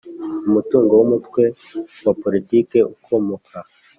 Umutungo w umutwe wa politiki ukomoka